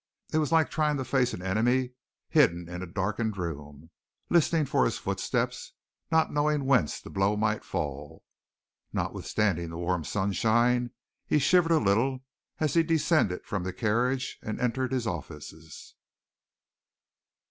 It was like trying to face an enemy hidden in a darkened room, listening for his footstep, not knowing whence the blow might fall. Notwithstanding the warm sunshine, he shivered a little as he descended from the carriage and entered his offices.